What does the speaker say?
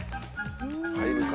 入るか？